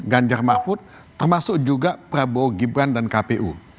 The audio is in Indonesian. ganjar mahfud termasuk juga prabowo gibran dan kpu